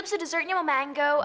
habis itu desertnya mau mango